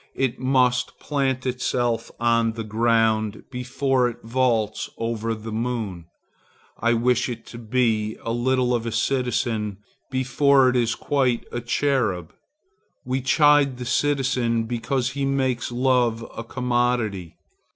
It must plant itself on the ground, before it vaults over the moon. I wish it to be a little of a citizen, before it is quite a cherub. We chide the citizen because he makes love a commodity.